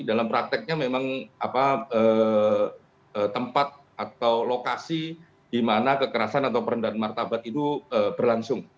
dalam prakteknya memang tempat atau lokasi di mana kekerasan atau perendahan martabat itu berlangsung